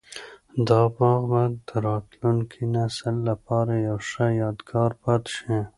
دا باغ به د راتلونکي نسل لپاره یو ښه یادګار پاتي شي.